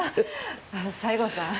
あ西郷さん